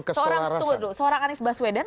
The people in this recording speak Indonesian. keselarasan seorang anies baswedan